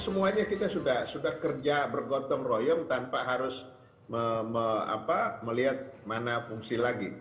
semuanya kita sudah kerja bergotong royong tanpa harus melihat mana fungsi lagi